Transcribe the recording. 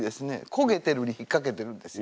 「焦げてる」に引っかけてるんですよ。